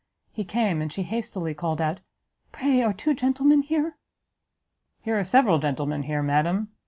He came, and she hastily called out, "Pray, are two gentlemen here?" "Here are several gentlemen here, madam."